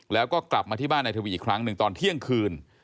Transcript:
แล้วก็กลับมาที่บ้านนายทวีอีกครั้งหนึ่งตอนเที่ยงคืน